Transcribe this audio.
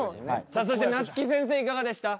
さあそしてなつき先生いかがでした？